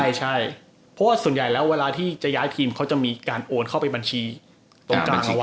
ใช่เพราะว่าส่วนใหญ่แล้วเวลาที่จะย้ายทีมเขาจะมีการโอนเข้าไปบัญชีตรงกลางเขา